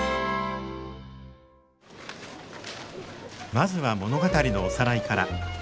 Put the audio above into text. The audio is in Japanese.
まずは物語のおさらいから。